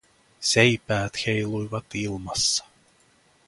Seipäät heiluivat ilmassa.